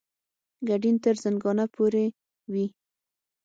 ګډین تر زنګانه پورې وي.